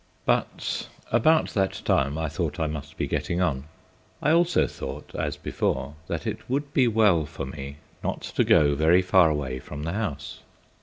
But about that time I thought I must be getting on. I also thought (as before) that it would be well for me not to go very far away from the house.